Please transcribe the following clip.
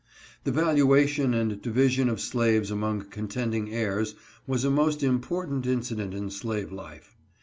The valuation and division of slaves among contending heirs was a most important incident in slave life.